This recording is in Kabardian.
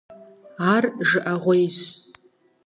Ар жыӀэгъуейщ.